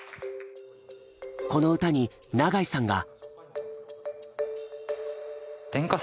この歌に永井さんが。